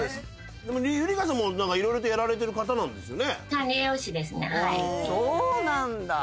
ゆり香さんもいろいろやられてる方ですよね。